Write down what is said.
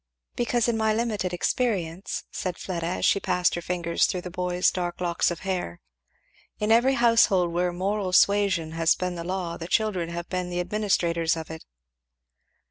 "Because in my limited experience," said Fleda as she passed her fingers through the boy's dark locks of hair, "in every household where 'moral suasion' has been the law, the children have been the administrators of it.